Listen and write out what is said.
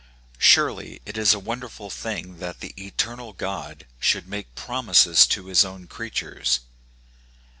URELY it is a wonderful thing that the eternal God should make promises to his own creatures.